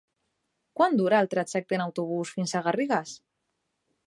Quant dura el trajecte en autobús fins a Garrigàs?